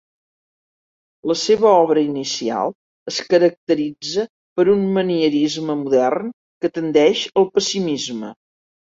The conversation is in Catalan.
La seva obra inicial es caracteritza per un manierisme modern, que tendeix al pessimisme.